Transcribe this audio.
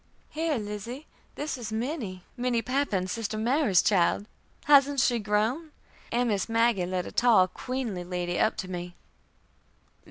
"Here, Lizzie, this is Minnie, Minnie Pappan, sister Mary's child. Hasn't she grown?" and Miss Maggie led a tall, queenly lady up to me.